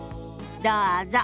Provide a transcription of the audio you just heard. どうぞ。